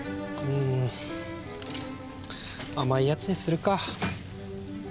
んあまいやつにするか。